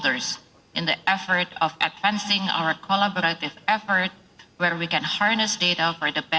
perkembangan data ini akan menjadi satu manfaat yang sangat penting untuk semua